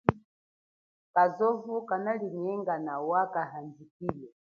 Kazovu kanalinyenga nawa kahandjikile.